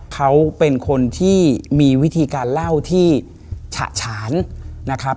เขาเป็นคนที่มีวิธีการเล่าที่ฉะฉานนะครับ